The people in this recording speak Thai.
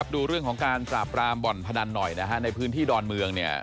ดูเรื่องของการปราบรามบ่อนพนันหน่อยนะฮะในพื้นที่ดอนเมืองเนี่ย